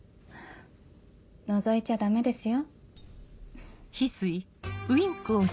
のぞいちゃダメですよ。